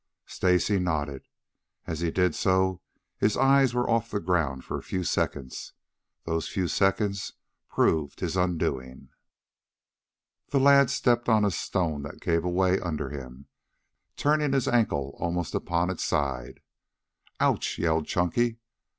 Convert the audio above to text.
Stacy nodded. As he did so his eyes were off the ground for a few seconds. Those few seconds proved his undoing. The lad stepped on a stone that gave way under him, turning his ankle almost upon its side. "Ouch!" yelled Chunky.